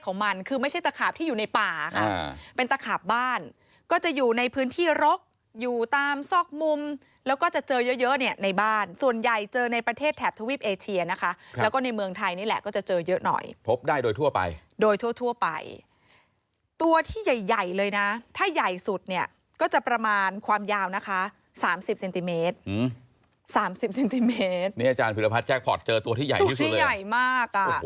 ของมันคือไม่ใช่ตะขาบที่อยู่ในป่าค่ะอ่าเป็นตะขาบบ้านก็จะอยู่ในพื้นที่รกอยู่ตามซอกมุมแล้วก็จะเจอเยอะเยอะเนี่ยในบ้านส่วนใหญ่เจอในประเทศแถบทวิปเอเชียนะคะแล้วก็ในเมืองไทยนี่แหละก็จะเจอเยอะหน่อยพบได้โดยทั่วไปโดยทั่วไปตัวที่ใหญ่เลยนะถ้าใหญ่สุดเนี่ยก็จะประมาณความยาวนะคะสามสิบเซนติเม